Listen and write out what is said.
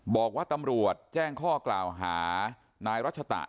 บอกว่าตำรวจแจ้งข้อกล่าวหานายรัชตะ